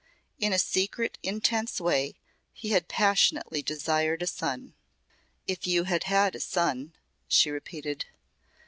In a secretive, intense way he had passionately desired a son. "If you had had a son " she repeated.